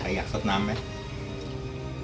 แต่อยากสดน้ำไหม